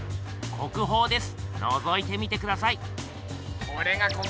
国宝です！